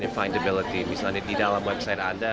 finability misalnya di dalam website anda